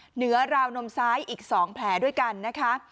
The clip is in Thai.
เหนือราวนมซ้ายอีก๒แผลด้วยกันนะคะ